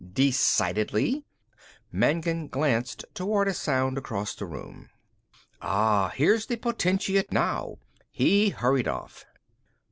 "Decidedly." Magnan glanced toward a sound across the room. "Ah, here's the Potentate now!" He hurried off.